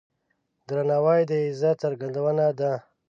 درناوی د عزت څرګندونه ده.